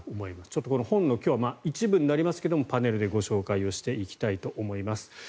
ちょっとこの本の一部になりますがパネルでご紹介していきたいと思います。